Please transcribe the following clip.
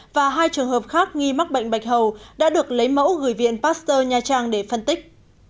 và hai trường hợp khác nghi mắc bệnh bạch hầu đã được lấy mẫu gửi viện pasteur nha trang để phân tích